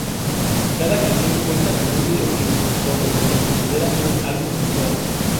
Cada canción cuenta con un videoclip, por lo que se considera un "álbum visual".